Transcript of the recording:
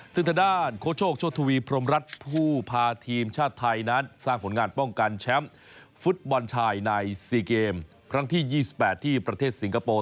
ซึ่งทางด้านโค้ชโชคโชธวีพรมรัฐผู้พาทีมชาติไทยนั้นสร้างผลงานป้องกันแชมป์ฟุตบอลชายใน๔เกมครั้งที่๒๘ที่ประเทศสิงคโปร์